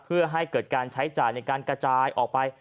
เพื่อให้เกิดการใช้จ่ายในการกระจายออกไป